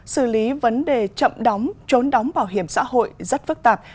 xử lý vấn đề chậm đóng trốn đóng bảo hiểm xã hội rất phức tạp